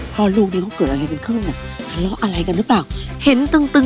พ่อลูกนี้เขาก็เกิดอะไรเป็นขึ้น